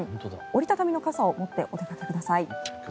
折り畳みの傘を持ってお出かけください。